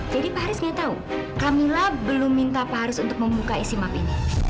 jadi pak haris nggak tahu kamila belum minta pak haris untuk membuka isi map ini